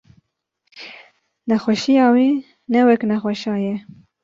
nexweşiya wî ne wek nexweşa ye.